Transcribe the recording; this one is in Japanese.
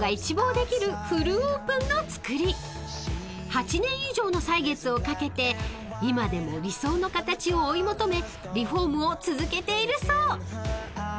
［８年以上の歳月をかけて今でも理想の形を追い求めリフォームを続けているそう］